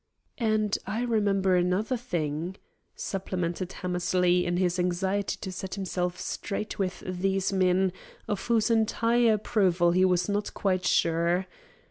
"And I remember another thing," supplemented Hammersley in his anxiety to set himself straight with these men of whose entire approval he was not quite sure.